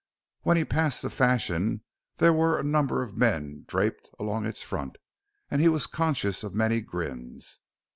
When he passed the Fashion there were a number of men draped along its front; and he was conscious of many grins.